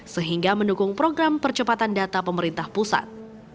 sehingga mendukung program percepatan data pemerintah pusat